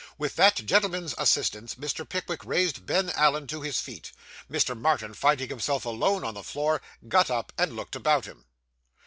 With that gentleman's assistance, Mr. Pickwick raised Ben Allen to his feet. Mr. Martin finding himself alone on the floor, got up, and looked about him.